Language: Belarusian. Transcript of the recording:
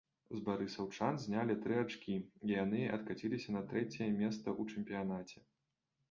З барысаўчан знялі тры ачкі, і яны адкаціліся на трэцяе месца ў чэмпіянаце.